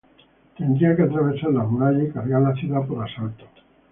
Tendría que atravesar las murallas y cargar la ciudad por asalto.